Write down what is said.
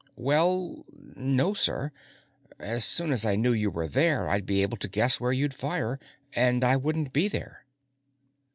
"Well ... no, sir. As soon as I knew you were there, I'd be able to Guess where you'd fire. And I wouldn't be there."